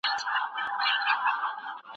په مفهوم یې هم ځکه نه پوهیږم